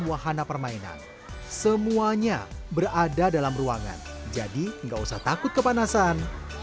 wahana permainan semuanya berada dalam ruangan jadi enggak usah takut kepanasan